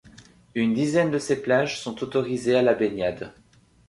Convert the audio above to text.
Une dizaine de ces plages sont autorisées à la baignade.